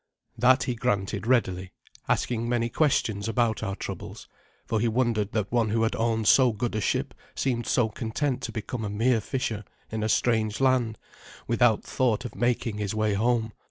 That he granted readily, asking many questions about our troubles, for he wondered that one who had owned so good a ship seemed so content to become a mere fisher in a strange land, without thought of making his way home.